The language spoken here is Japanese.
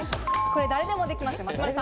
これ、誰でもできます。